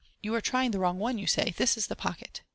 " You are trying the wrong one," you say j " this is the pocket."